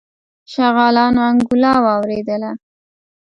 شغالانو انګولا واورېدله.